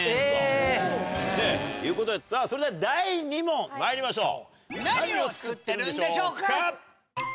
さぁそれでは第２問まいりましょう。